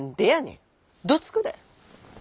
どつくで。